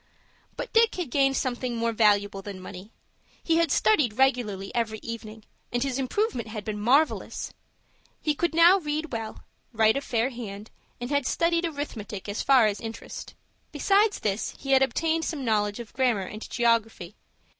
But Dick had gained something more valuable than money. He had studied regularly every evening, and his improvement had been marvellous. He could now read well, write a fair hand, and had studied arithmetic as far as Interest. Besides this he had obtained some knowledge of grammar and geography.